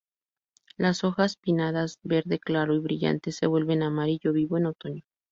Las hojas pinnadas verde claro y brillante, se vuelven amarillo vivo en otoño.